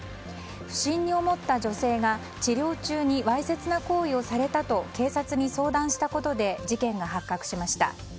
不審に思った女性が、治療中にわいせつな行為をされたと警察に相談したことで事件が発覚しました。